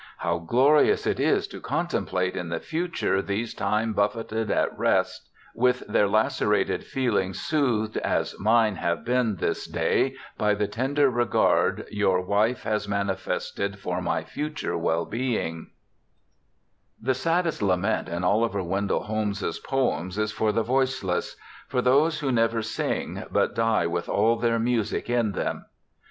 How glorious it is to contemplate in the future these time buffeted at rest, with their lacerated feelings soothed as mine have been this day by the tender regard your wife has manifested for my future well being.' i6 BIOGRAPHICAL ESSAYS The saddest lament in Oliver Wendell Holmes's poems is for the voiceless, for those who never sing, But die with all their music in them.